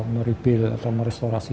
merebill atau merestorasi